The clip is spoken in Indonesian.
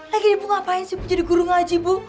lagi ibu ngapain sih ibu jadi guru ngaji bu